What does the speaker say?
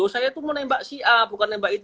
saya itu menembak si a bukan nembak si a